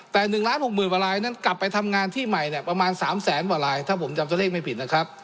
แต่๑๖๐๐๐กว่าลายนั้นกลับไปทำงานที่ใหม่เนี่ยประมาณ๓แสนกว่าลายถ้าผมจำตัวเลขไม่ผิดนะครับ